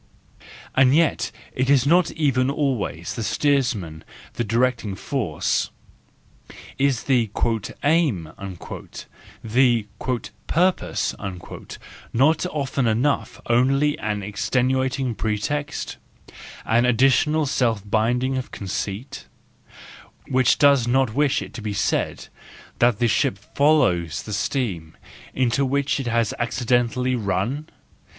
And yet it is not even always the steersman, the directing force. ... Is the "aim," the "purpose," not often enough only an ex¬ tenuating pretext, an additional self blinding of conceit, which does not wish it to be said that the 318 the joyful wisdom, V ship follows the stream into which it has accidentally run